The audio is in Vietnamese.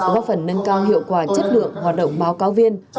góp phần nâng cao hiệu quả chất lượng hoạt động báo cáo viên